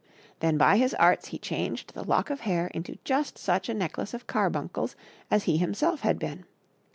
Then by his arts he changed the lock of hair into just such a necklace of carbuncles as he himself had been.